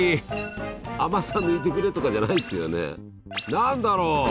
何だろう。